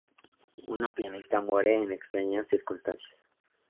Una pianista muere en extrañas circunstancias.